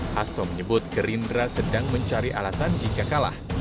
hasto menyebut gerindra sedang mencari alasan jika kalah